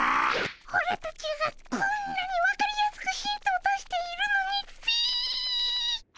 オラたちがこんなに分かりやすくヒントを出しているのにっピィ。